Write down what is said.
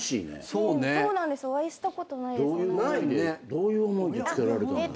どういう思いで付けられたんだろう？